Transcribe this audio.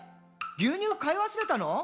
牛乳買い忘れたの？」